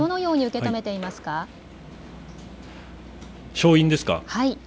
勝因ですか。